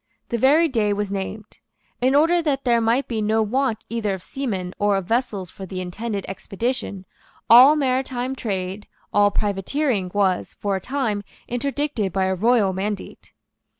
The very day was named. In order that there might be no want either of seamen or of vessels for the intended expedition, all maritime trade, all privateering was, for a time, interdicted by a royal mandate.